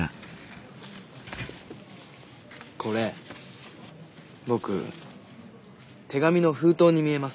これ僕手紙の封筒に見えます。